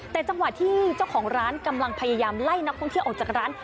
แต่จังหวะที่เจ้าของร้านกำลังพยายามไล่นักท่องเที่ยวออกจากร้าน